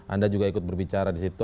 anda juga ikut berbicara disitu